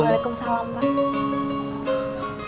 saya permisi dulu bu yoyo